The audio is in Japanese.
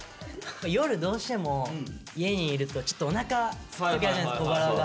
夜どうしても家にいるとちょっとおなかすくじゃないですか小腹が。